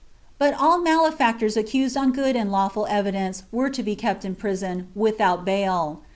^ But all male&ctors accused on good and lawful evidence were to be apt in prison, without bail."